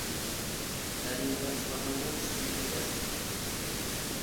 تەلىيىمگە ئۇلارنىڭمۇ چۈشتىن كېيىن دەرسى يوق ئىكەن.